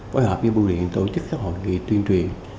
phối hợp với bưu điện tổ chức các hội nghị tuyên truyền